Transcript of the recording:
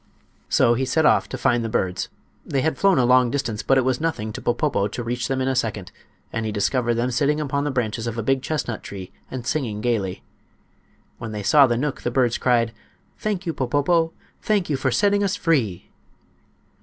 So he set off to find the birds. They had flown a long distance, but it was nothing to Popopo to reach them in a second, and he discovered them sitting upon the branches of a big chestnut tree and singing gayly. When they saw the knook the birds cried: "Thank you, Popopo. Thank you for setting us free."